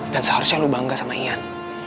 dan seharusnya lo bangga sama ian